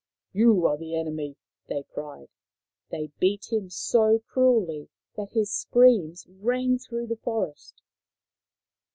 " You are the enemy !" they cried. They beat him so cruelly that his screams rang through the forest.